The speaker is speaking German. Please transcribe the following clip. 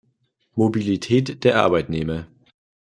Mobilität der Arbeitnehmer.